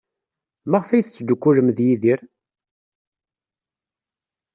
Maɣef ay tettdukkulem ed Yidir?